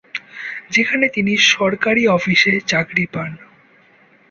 যেখানে তিনি সরকারি অফিসে চাকরি পান।